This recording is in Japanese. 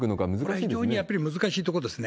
非常にやっぱり難しいところですね。